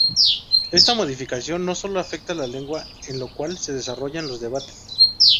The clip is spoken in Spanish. Esta modificación no solo afecta la lengua en la cual se desarrollan los debates.